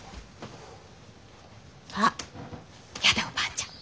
あっやだおばあちゃん。